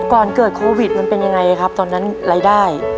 ก่อนเกิดโควิดมันเป็นยังไงครับตอนนั้นรายได้